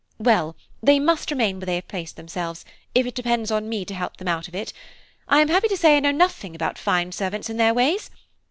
"Well, they must remain where they have placed themselves, if it depends on me to help them out of it. I am happy to say I know nothing about fine servants and their ways.